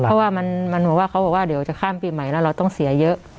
เพราะว่ามันเหมือนว่าเขาบอกว่าเดี๋ยวจะข้ามปีใหม่แล้วเราต้องเสียเยอะ